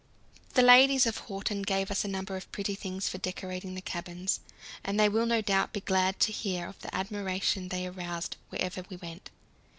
The ladies of Horten gave us a number of pretty things for decorating the cabins, and they will no doubt be glad to hear of the admiration they aroused wherever we went.